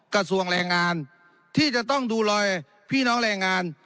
กระทรวงแรงงานที่จะต้องดูแลพี่น้องแรงงาน